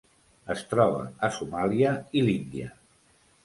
Es troba a Somàlia i l'Índia.